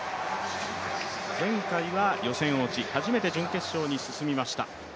前回は予選落ち、初めて準決勝に進みました。